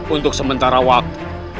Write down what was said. untuk sementara waktu